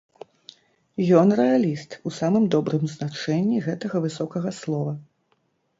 Ён рэаліст у самым добрым значэнні гэтага высокага слова.